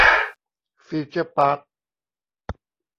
ฟิวเจอร์ปาร์ค